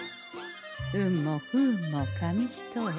運も不運も紙一重。